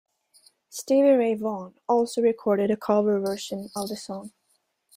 Stevie Ray Vaughan also recorded a cover version of the song.